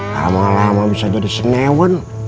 lama lama bisa jadi senewen